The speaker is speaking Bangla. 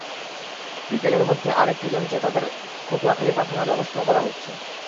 বিকেলের মধ্যে আরেকটি লঞ্চে করে তাঁদের পটুয়াখালী পাঠানোর ব্যবস্থা করা হচ্ছে।